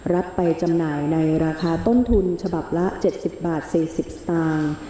รับไปจำหน่ายในราคาต้นทุนฉบับละ๗๐บาท๔๐สตางค์